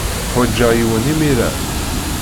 Ḥwajeɣ yiwen imir-a.